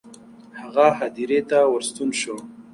هغه هدیرې ته ورستون شو.